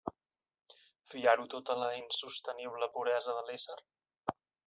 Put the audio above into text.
¿Fiar-ho tot a la insostenible puresa de l'ésser?